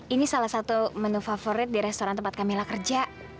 ini salah satu menu favorit di restoran tempat kami lah kerja